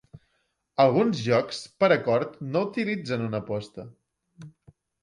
Alguns jocs per acord no utilitzen una aposta.